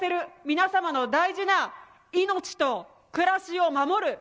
皆様の大事な命と暮らしを守る。